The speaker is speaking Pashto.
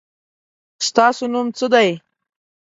ستاسو نوم څه دی؟